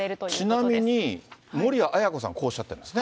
ちなみに、守谷絢子さん、こうおっしゃってますね。